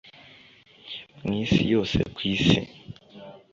mu isi yose kwisi